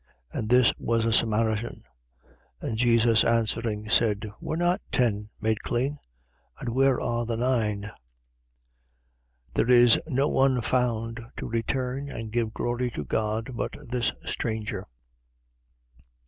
And this was a Samaritan. 17:17. And Jesus answering, said: Were not ten made clean? And where are the nine? 17:18. There is no one found to return and give glory to God, but this stranger.